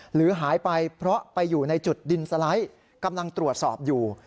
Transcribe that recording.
หรือหายไปเพราะไปอยู่ในจุดดินสไลด์กำลังตรวจสอบอยู่